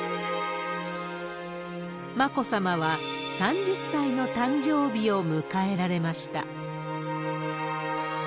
眞子さまは、３０歳の誕生日を迎えられました。